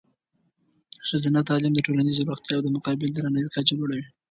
ښځینه تعلیم د ټولنیزې روڼتیا او د متقابل درناوي کچه لوړوي.